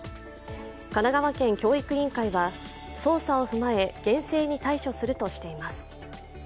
神奈川県教育委員会は捜査を踏まえ厳正に対処するとしています。